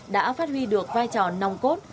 đã phát huy được vai trò nông cốt